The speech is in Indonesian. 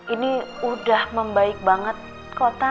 ini udah membaik banget